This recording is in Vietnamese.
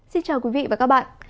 xin chào quý vị và các bạn